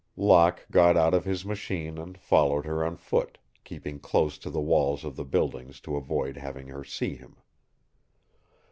Locke got out of his machine and followed her on foot, keeping close to the walls of the buildings to avoid having her see him.